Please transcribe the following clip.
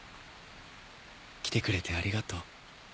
来てくれてありがとう。